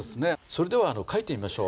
それでは書いてみましょう。